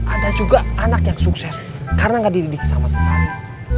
ada juga anak yang sukses karena nggak dididik sama sekali